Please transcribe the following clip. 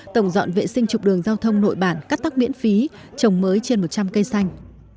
tổng dọn vệ sinh chụp đường giao thông nội bản cắt tóc miễn phí trồng mới trên một trăm linh cây xanh